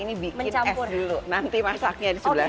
ini bikin es dulu nanti masaknya di sebelah sana